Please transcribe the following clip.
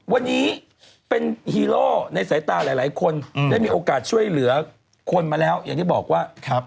วันนี้เป็นฮีโร่ในสายตาหลายคนได้มีโอกาสช่วยเหลือคนมาแล้วอย่างที่บอกว่า